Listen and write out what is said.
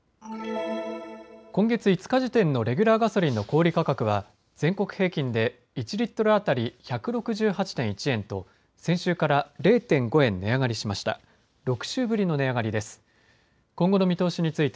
今月５日時点のレギュラーガソリンの小売価格は全国平均で１リットル当たり１６８．１円と先週から０．５円値上がりしました。